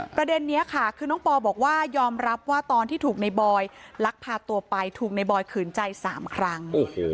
ประเด็นนี้ค่ะคือน้องปอบอกว่ายอมรับว่าตอนที่ถูกในบอยลักพาตัวไปถูกในบอยขืนใจ๓ครั้ง